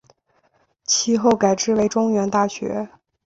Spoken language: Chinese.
其后改制为中原大学。